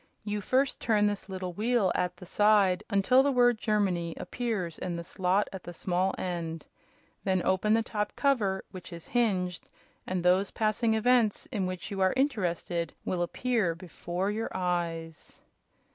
You first turn this little wheel at the side until the word 'Germany' appears in the slot at the small end. Then open the top cover, which is hinged, and those passing events in which you are interested will appear before your eyes."